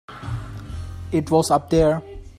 It was up there.